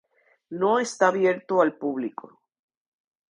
No está abierto al público.